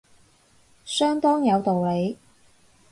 相當有道理